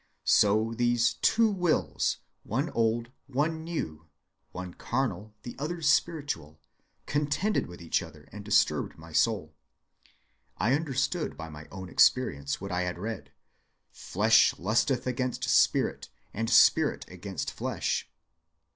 So these two wills, one old, one new, one carnal, the other spiritual, contended with each other and disturbed my soul. I understood by my own experience what I had read, 'flesh lusteth against spirit, and spirit against flesh.